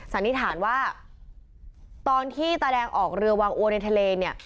สันนิษฐานว่าตอนที่ตาแดงออกเรือวางอัวในทะเลเนี่ย